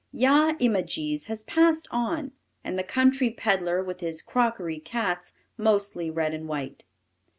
"Yah im a gees" has passed on, and the country pedlar, with his "crockery" cats, mostly red and white.